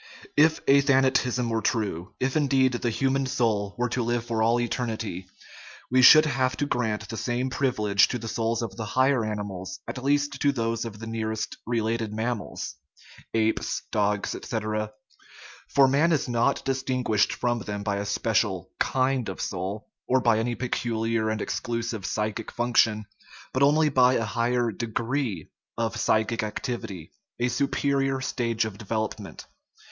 If athanatism were true, if, indeed, the human soul were to live for all eternity, we should have to grant the same privilege to the souls of the higher animals, at least to those of the nearest related mammals (apes, dogs, etc.). For man is not distinguished from them by a special kind of soul, or by any peculiar and ex clusive psychic function, but only by a higher de gree of psychic activity, a superior stage of develop ment.